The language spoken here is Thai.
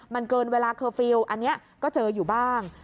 มันเกินเวลาเคอร์ฟิลล์อันนี้ก็เจออยู่บ้าง